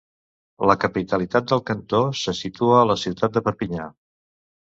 La capitalitat del cantó se situa a la ciutat de Perpinyà.